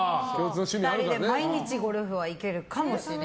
２人で毎日ゴルフは行けるかもしれない。